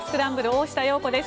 大下容子です。